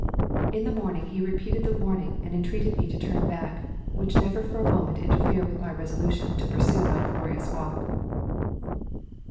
In the morning he repeated the warning and entreated me to turn back, which never for a moment interfered with my resolution to pursue my glorious walk.